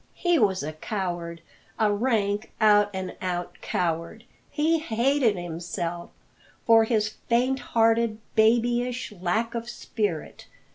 He was a coward, a rank, out and out coward. He hated himself for his faint hearted, babyish lack of spirit.